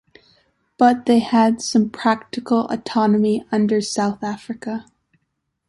But they had some practical autonomy under South Africa.